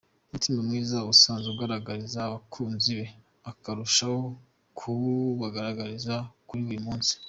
Umutima mwiza asanzwe agaragariza abakunzi be azarushaho kuwubagaragariza kuri uyu munsi.